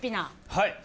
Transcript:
はい。